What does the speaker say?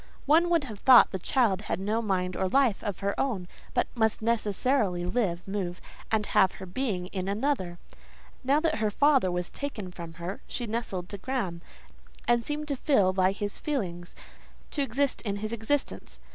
One would have thought the child had no mind or life of her own, but must necessarily live, move, and have her being in another: now that her father was taken from her, she nestled to Graham, and seemed to feel by his feelings: to exist in his existence.